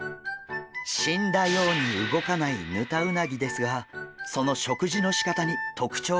死んだように動かないヌタウナギですがその食事のしかたに特徴があるといいます。